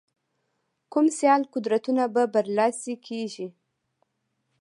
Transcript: کوم سیال قدرتونه به برلاسي کېږي.